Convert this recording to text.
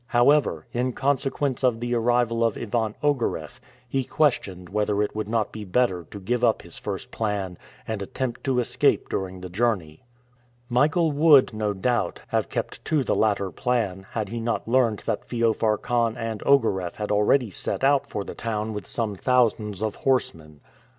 However, in consequence of the arrival of Ivan Ogareff, he questioned whether it would not be better to give up his first plan and attempt to escape during the journey. Michael would, no doubt, have kept to the latter plan had he not learnt that Feofar Khan and Ogareff had already set out for the town with some thousands of horsemen.